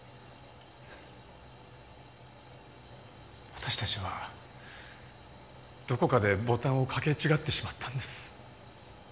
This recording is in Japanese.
私たちはどこかでボタンをかけ違ってしまったんです。